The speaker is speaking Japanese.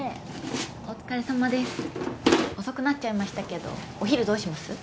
お疲れさまです遅くなっちゃいましたけどお昼どうします？